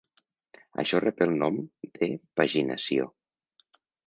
Això rep el nom de paginació.